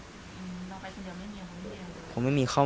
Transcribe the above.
น่อไปส่วนเดียวไม่เหนียวของนี้นะครับ